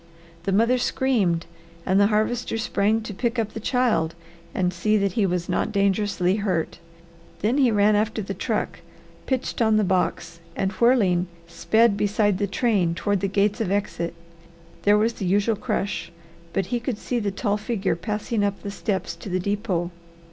The mother screamed and the Harvester sprang to pick up the child and see that he was not dangerously hurt. Then he ran after the truck, pitched on the box, and whirling, sped beside the train toward the gates of exit. There was the usual crush, but he could see the tall figure passing up the steps to the depot.